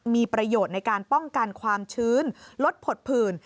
มีประโยชน์ในการป้องกันความชื้นลดผดผื่น